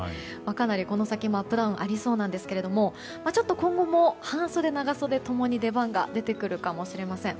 かなり、この先もアップダウンありそうなんですが今後も半袖、長袖ともに出番が出てくるかもしれません。